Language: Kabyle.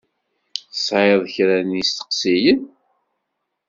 Tesɛiḍ kra n yisteqsiyen?